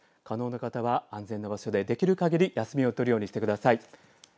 可能な方は安全な場所でできるかぎり休みを取るようにしてください。